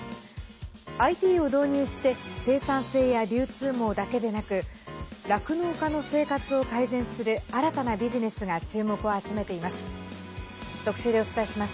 ＩＴを導入して生産性や流通網だけでなく酪農家の生活を改善する新たなビジネスが注目を集めています。